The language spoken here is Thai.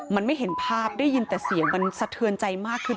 มันไม่เห็นภาพได้ยินแต่เสียงมันสะเทือนใจมากขึ้น